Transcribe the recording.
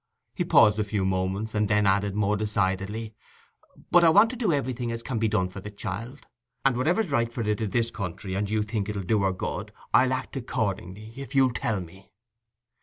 He paused a few moments, and then added, more decidedly, "But I want to do everything as can be done for the child. And whatever's right for it i' this country, and you think 'ull do it good, I'll act according, if you'll tell me."